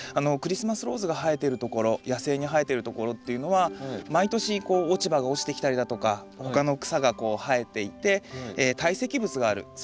クリスマスローズが生えてるところ野生に生えてるところっていうのは毎年こう落ち葉が落ちてきたりだとか他の草がこう生えていて堆積物がある。